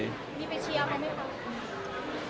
มีไปเชียร์ไหมไม่เคย